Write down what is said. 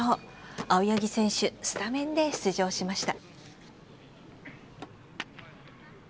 青柳選手スタメンで出場しました。